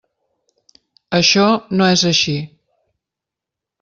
Això no és així.